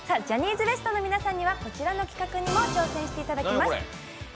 ジャニーズＷＥＳＴの皆さんにはこちらの企画にも挑戦していただきます。